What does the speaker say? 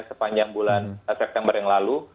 sepanjang bulan september yang lalu